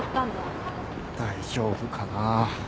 大丈夫かな。